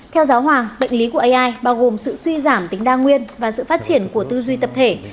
theo giáo hoàng bệnh lý của ai bao gồm sự suy giảm tính đa nguyên và sự phát triển của tư duy tập thể